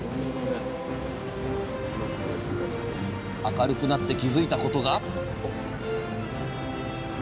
明るくなって気付いたことが！